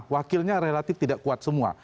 wakilnya relatif tidak kuat semua